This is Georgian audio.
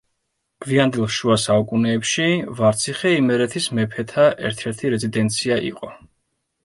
გვიანდელ შუა საუკუნეებში ვარციხე იმერეთის მეფეთა ერთ-ერთი რეზიდენცია იყო.